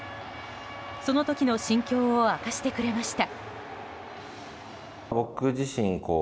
その時の心境を明かしてくれました。